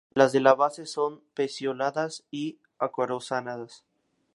Las de la base son pecioladas y acorazonadas.